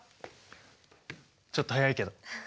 ちょっと早いけど。